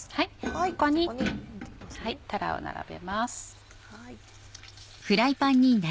ここにたらを並べます。